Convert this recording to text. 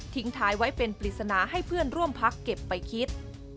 ท้ายไว้เป็นปริศนาให้เพื่อนร่วมพักเก็บไปคิด